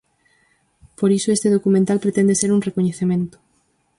Por iso este documental pretende ser un recoñecemento.